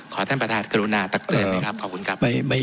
ท่านประธานกรุณาตักเตือนไหมครับขอบคุณครับ